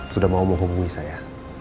sudah mau menghubungi saya